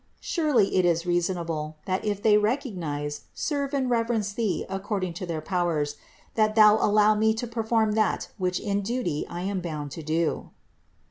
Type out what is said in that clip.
Surely it is reasonable, that if they recognize, serve and reverence Thee according to their powers, that Thou allow me to perform that which in duty I am bound to do."